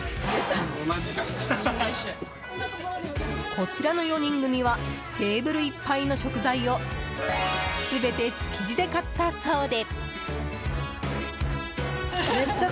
こちらの４人組はテーブルいっぱいの食材を全て築地で買ったそうで。